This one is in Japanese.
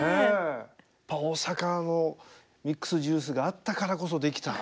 やっぱ大阪のミックスジュースがあったからこそできた。